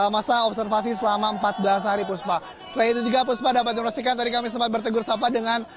masa observasi selama empat belas hari puspa selain itu juga puspa dapat informasikan tadi kami sempat bertegur sapa dengan